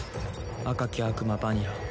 赤き悪魔バニラ。